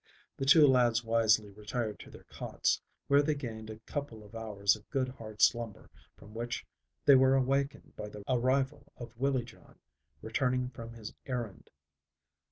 The two lads wisely retired to their cots, where they gained a couple of hours of good hard slumber from which they were awakened by the arrival of Willie John returning from his errand.